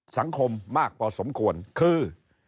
สังคมมากพอสมควรคือ